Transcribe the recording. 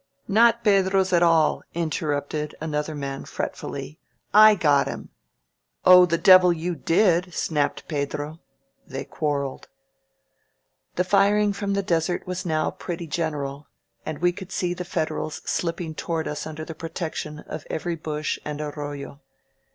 "Not Pedro's at all," interrupted another man fret fully. "I got him." 0 the devil you did," snapped Pedro. They quar reled. ••• 240 AN OUTPOST IN ACTION The firing from the desert was now pretty general, and we could see the Federals slipping toward us under the protection of every bush and arroyo.